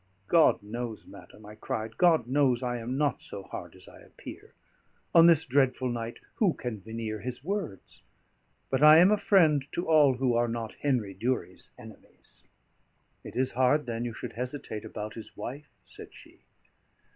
"God knows, madam," I cried, "God knows I am not so hard as I appear; on this dreadful night who can veneer his words? But I am a friend to all who are not Henry Durie's enemies." "It is hard, then, you should hesitate about his wife," said she.